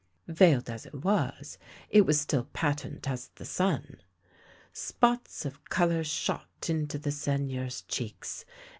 Veiled as it was, it was still patent as the sun. Spots of colour shot into the Seigneur's cheeks.